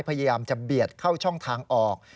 พยายามจะเบียดเข้าช่องทางออก